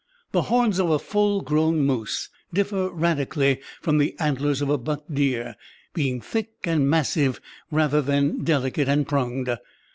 The horns of a full grown moose differ radically from the antlers of a buck deer, being thick and massive rather than delicate and pronged.